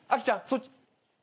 そっち。